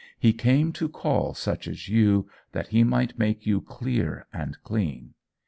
He came to call such as you, that he might make you clear and clean.